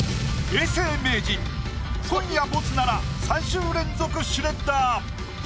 永世名人今夜ボツなら３週連続シュレッダー。